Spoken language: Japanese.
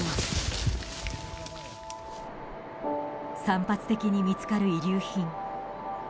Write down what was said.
散発的に見つかる遺留品。